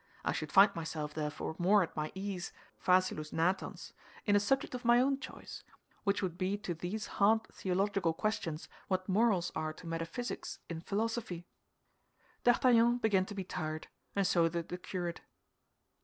I should find myself, therefore, more at my ease, facilius natans, in a subject of my own choice, which would be to these hard theological questions what morals are to metaphysics in philosophy." D'Artagnan began to be tired, and so did the curate.